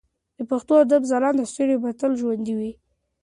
د پښتو ادب ځلانده ستوري به تل ژوندي وي.